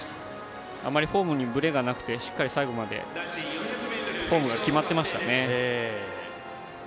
あまりフォームにぶれがなくて、しっかり最後までフォームが決まっていました。